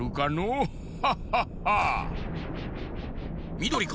みどりか？